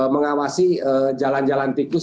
mengawasi jalan jalan tikus